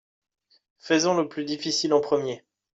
Faisons le plus difficile en premier.